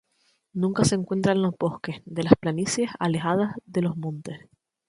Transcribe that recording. Nunca se encuentra en los bosques de las planicies alejadas de los montes.